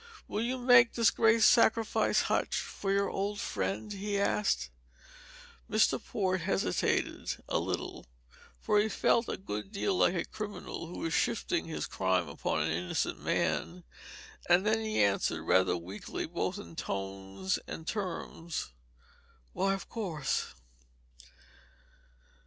"Will you make this great sacrifice, Hutch, for your old friend?" he asked. Mr. Port hesitated a little, for he felt a good deal like a criminal who is shifting his crime upon an innocent man; and then he answered, rather weakly both in tones and terms: "Why, of course."